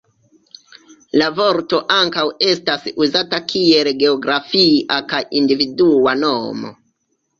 La vorto ankaŭ estas uzata kiel geografia kaj individua nomo.